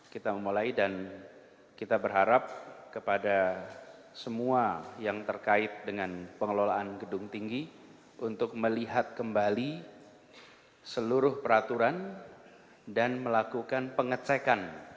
kita memulai dan kita berharap kepada semua yang terkait dengan pengelolaan gedung tinggi untuk melihat kembali seluruh peraturan dan melakukan pengecekan